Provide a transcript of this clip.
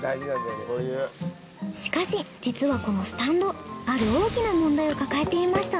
しかし実はこのスタンドある大きな問題を抱えていました。